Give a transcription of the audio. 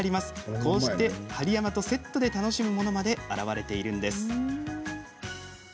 こうして針山とセットで楽しむものまで現れているんです。